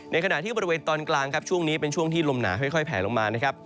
ในขณะที่บริเวณตอนกลางช่วงนี้เป็นช่วงที่ลมหนาค่อยแผ่ลงมา